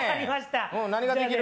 何ができる？